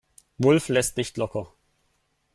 Wulff lässt nicht locker.